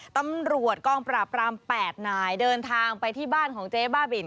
ตำรวจกองปราบราม๘นายเดินทางไปที่บ้านของเจ๊บ้าบิน